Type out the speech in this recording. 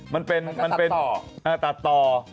มันเป็นตัดต่อ